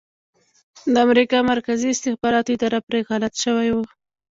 د امریکا مرکزي استخباراتو اداره پرې غلط شوي وو